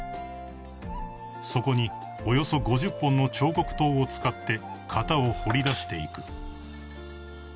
［そこにおよそ５０本の彫刻刀を使って型を彫り出していく］